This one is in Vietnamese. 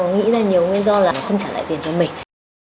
nghĩ ra nhiều nguyên do là không trả lại tiền cho mình